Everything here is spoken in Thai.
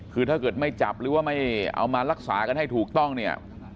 คือถ้าเกิดไม่จับหรือว่าไม่เอามารักษากันให้ถูกต้องเนี่ย